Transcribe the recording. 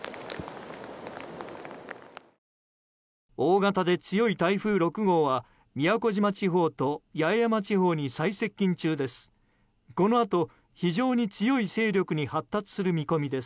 大型で強い台風６号は宮古島地方と八重山地方に最接近中です。